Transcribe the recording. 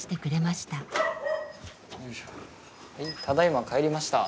ただいま帰りました。